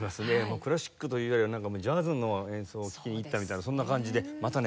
クラシックというよりはなんかジャズの演奏を聴きに行ったみたいなそんな感じでまたね